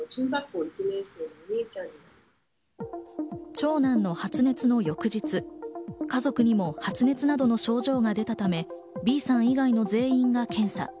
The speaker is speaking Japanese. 長男の発熱の翌日、家族にも発熱などの症状が出たためＢさん以外の全員が検査。